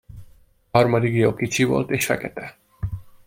A harmadik dió kicsi volt és fekete.